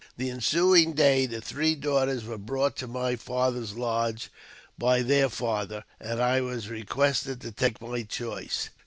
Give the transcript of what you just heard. The ensuing day the three daughters were brought to my father's lodge by their father, and I was requested to take mj choice.